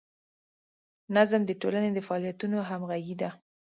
نظم د ټولنې د فعالیتونو همغږي ده.